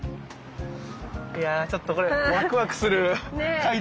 いやちょっとこれワクワクする階段ですよね。